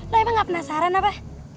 lah emang gak penasaran apa